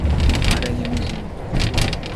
Maranhãozinho